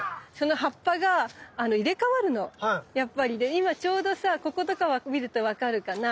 今ちょうどさこことか見ると分かるかな？